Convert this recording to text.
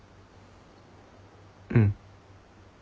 うん。